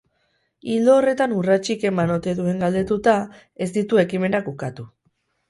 Ildo horretan urratsik eman ote duen galdetuta, ez ditu ekimenak ukatu.